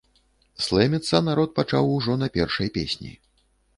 Слэміцца народ пачаў ужо на першай песні.